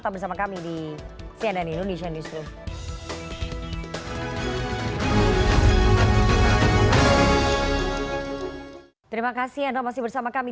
tetap bersama kami